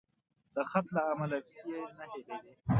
د خط له امله پیښې نه هېرېدې.